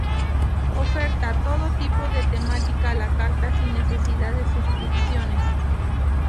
Oferta todo tipo de temática a la carta, sin necesidad de suscripciones.